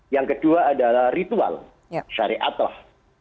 yang kedua adalah ritual syariat lah